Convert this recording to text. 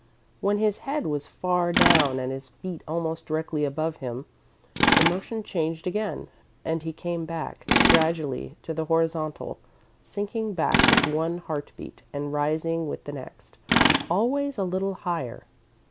When his head was far down and his feet almost directly above him, the motion changed again and he came back gradually to the horizontal, sinking back with one heart beat and rising with the next always a little higher.